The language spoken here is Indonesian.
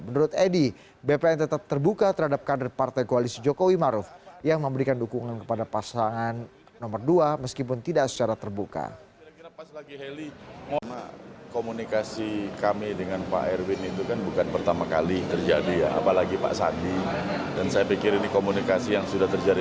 menurut edi bpn tetap terbuka terhadap kader partai koalisi jokowi maruf yang memberikan dukungan kepada pasangan